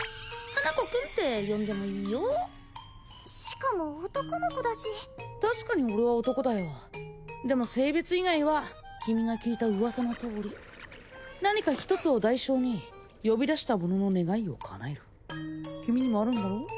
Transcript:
花子くんって呼んでもイーヨしかも男の子だし確かに俺は男だよでも性別以外は君が聞いた噂のとおり何か一つを代償に呼び出した者の願いを叶える君にもあるんだろ？